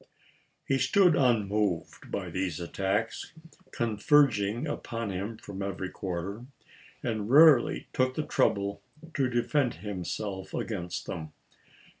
He stood unmoved by these attacks, converging upon him from every quarter, and rarely took the trouble to defend himself against them.